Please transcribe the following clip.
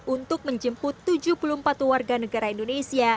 untuk menjemput tujuh puluh empat warga negara indonesia